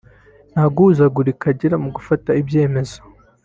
nta guhuzagurika agira mu gufata ibyemezo